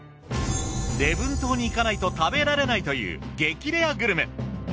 礼文島に行かないと食べられないという激レアグルメ。